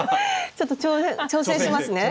ちょっと挑戦しますね。